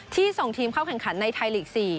ส่งทีมเข้าแข่งขันในไทยลีก๔